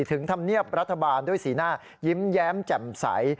ถึงธรรมเนียบรัฐบาลด้วยสีหน้ายิ้มแย้มแจ่มใส